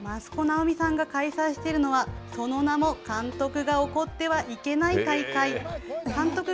元バレーボール日本代表の益子直美さんが開催しているのは、その名も、監督が怒ってはいけない大会。